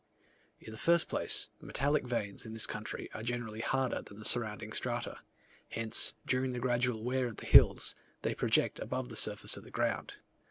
In the first place, metallic veins in this country are generally harder than the surrounding strata: hence, during the gradual wear of the hills, they project above the surface of the ground.